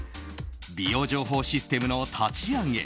美容情報システムの立ち上げ